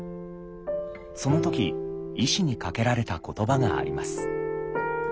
その時医師にかけられた言葉があります。